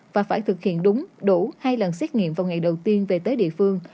và phải thực hiện đúng đủ hai lần xét nghiệm vào ngày đầu tiên về tới địa phương